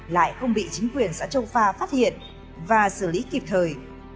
lại không bị chính quyền xã châu pha phát hiện và xử lý kịp thời